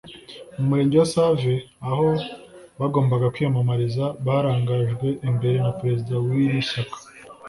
mu Murenge wa Save aho bagombaga kwiyamamariza barangajwe imbere na Perezida w’iri shyaka